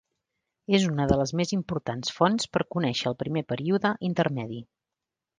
És una de les més importants fonts per conèixer el primer període intermedi.